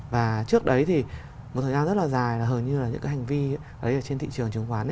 và trước đấy thì một thời gian rất là dài là hầu như là những cái hành vi đấy trên thị trường chứng khoán